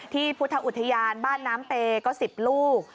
พุทธอุทยานบ้านน้ำเปก็๑๐ลูก